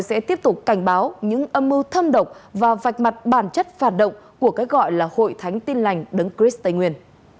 sẽ tiếp tục cảnh báo những âm mưu thâm độc và vạch mặt bản chất phản động của cái gọi là hội thánh tin lành đấng chris tây nguyên